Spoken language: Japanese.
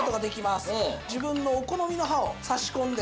自分のお好みの刃を差し込んで。